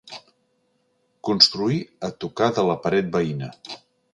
Construir a tocar de la paret veïna.